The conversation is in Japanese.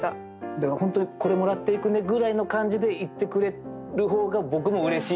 だから本当に「これ、もらっていくね」ぐらいの感じで言ってくれる方が僕もうれしいんですよ。